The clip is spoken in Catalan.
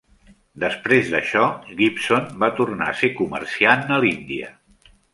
Després d'això, Gibson va tornar a ser comerciant a l'Índia.